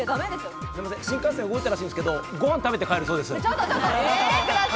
すいません、新幹線動いたらしいんですけれども、ご飯食べて帰るそうです。